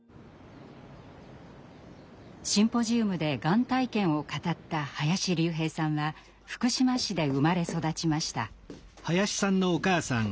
シンポジウムでがん体験を語った林竜平さんは福島市で生まれ育ちました。